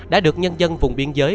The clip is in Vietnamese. đã được nhân dân vùng biên giới